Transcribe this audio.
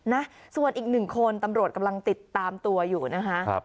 นะส่วนอีกหนึ่งคนตำรวจกำลังติดตามตัวอยู่นะคะ